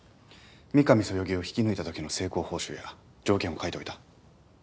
御神そよぎを引き抜いた時の成功報酬や条件を書いておいた。